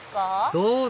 どうぞ！